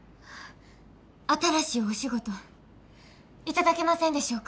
新しいお仕事頂けませんでしょうか。